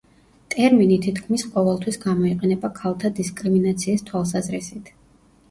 ტერმინი თითქმის ყოველთვის გამოიყენება ქალთა დისკრიმინაციის თვალსაზრისით.